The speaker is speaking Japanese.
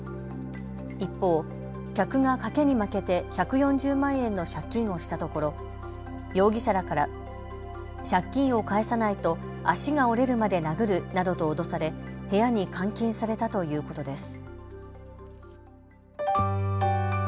一方、客が賭けに負けて１４０万円の借金をしたところ容疑者らから借金を返さないと足が折れるまで殴るなどと脅され部屋に監禁されたということです。